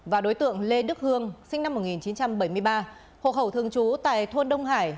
và đối tượng lê đức hương sinh năm một nghìn chín trăm bảy mươi ba hộ khẩu thường trú tại thôn đông hải